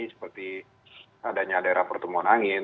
seperti adanya daerah pertemuan angin